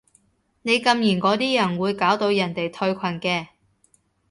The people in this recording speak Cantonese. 你禁言嗰啲人會搞到人哋退群嘅